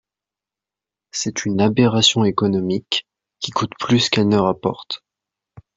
C’est une aberration économique, qui coûte plus qu’elle ne rapporte.